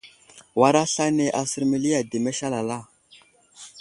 War aslane asər məli ademes alala.